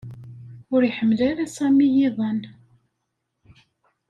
Ur iḥemmel ara Sami iḍan.